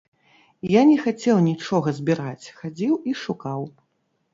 Я не хацеў нічога збіраць, хадзіў і шукаў.